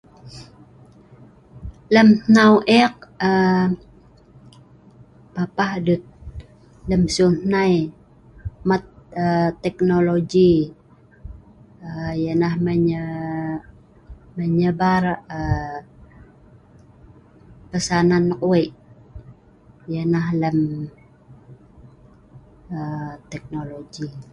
Lem nnau eek aa.. papah duet lem sieu hnai maa ee..teknologi ee… yeh nah menye… menyebar aa..pesanan nok wei yeh nah lem ee… teknologi